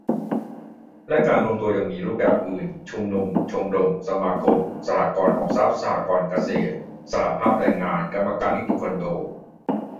และการรวมตัวยังมีรูปอื่น ชุมนุม ชมรม สมาคม สหกรณ์ออมทรัพย์ สหกรณ์เกษตร สหภาพแรงงาน กรรมการนิติคอนโด